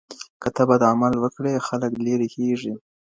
که ته بد عمل وکړې، خلګ لېري کېږي.